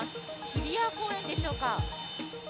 日比谷公園でしょうか。